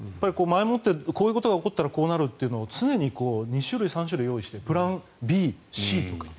前もってこういうことが起こったらこうなるっていうのを常に２種類、３種類用意してプランＢ、Ｃとか。